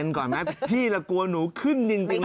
ระหว่างเมียสี่เดี๋ยวลองดูหน่อยค่ะ